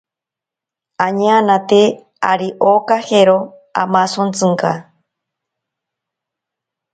Añanate ari okajero amasontsinka.